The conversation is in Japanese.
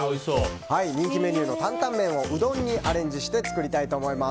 人気メニューの担々麺をうどんにアレンジして作ります。